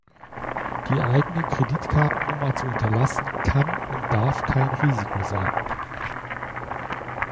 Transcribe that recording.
Die eigene Kreditkartennummer zu hinterlassen kann und darf kein Risiko sein.